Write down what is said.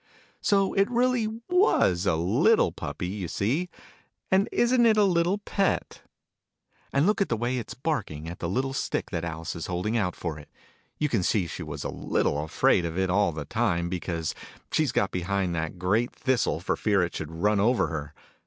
So it really teas a little Puppy, you see. And isn't it a little pet ? And look at the way Digitized by Google 22 THE NURSERY " ALICE." it's barking at the little stick that Alice is holding out for it ! You can see she was a little afraid of it, all the time, because she's got behind that great thistle, for fear it should run over her.